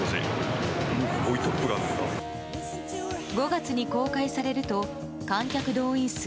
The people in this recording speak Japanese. ５月に公開されると観客動員数